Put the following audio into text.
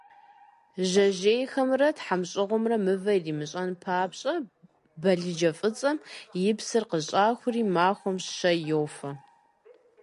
Жьэжьейхэмрэ тхьэмщӀыгъумрэ мывэ иримыщӀэн папщӀэ балыджэ фӀыцӀэм и псыр къыщӀахури, махуэм щэ йофэ.